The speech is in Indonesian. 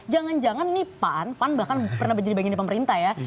jangan jangan ini pan pan bahkan pernah menjadi bagian dari pemerintah ya